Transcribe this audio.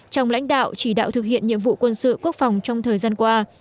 trong lãnh đạo chỉ đạo thực hiện nhiệm vụ quân sự quốc phòng trong thời gian qua